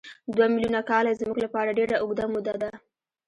دوه میلیونه کاله زموږ لپاره ډېره اوږده موده ده.